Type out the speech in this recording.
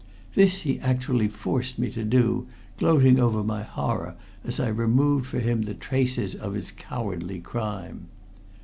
This he actually forced me to do, gloating over my horror as I removed for him the traces of his cowardly crime.